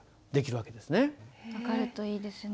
わかるといいですね。